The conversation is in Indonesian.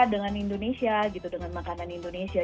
dengan indonesia gitu dengan makanan indonesia